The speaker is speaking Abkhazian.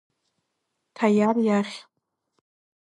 Ҭаиар иахь.